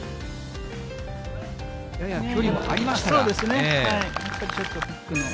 やや距離もありましたが。